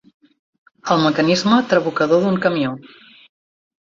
El mecanisme trabucador d'un camió.